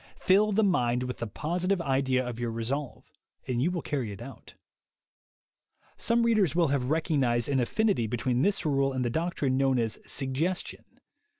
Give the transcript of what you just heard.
Fill the mind with the positive idea of your resolve, and you will carry it out. Some readers will have recognized an affinity between this rule and the doctrine known as "sug gestion."